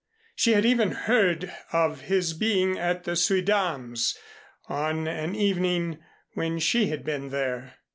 She had even heard of his being at the Suydams on an evening when she had been there.